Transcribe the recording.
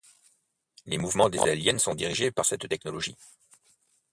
Les mouvements des aliens sont dirigés par cette technologie.